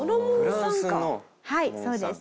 はいそうです。